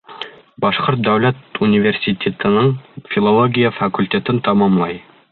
Башҡорт дәүләт университетының филология факультетын тамамлай.